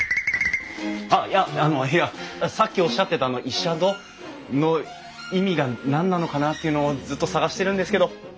あっいやあのいやさっきおっしゃってたイシャド？の意味が何なのかなっていうのをずっと探してるんですけど。